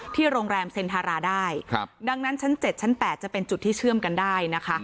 โรงแรมเซ็นทาราได้ครับดังนั้นชั้น๗ชั้น๘จะเป็นจุดที่เชื่อมกันได้นะคะ